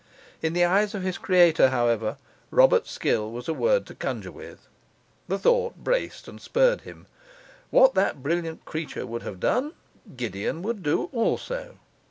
In the eyes of his creator, however, Robert Skill was a word to conjure with; the thought braced and spurred him; what that brilliant creature would have done Gideon would do also.